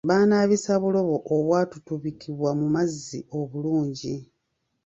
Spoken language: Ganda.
Baanaabisa bulobo obwatututubikibwa mu mazzi obulungi.